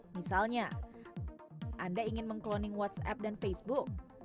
misalnya anda ingin mengkloning whatsapp dan facebook